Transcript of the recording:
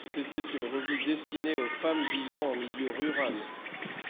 C'était une revue destinée aux femmes vivant en milieu rural.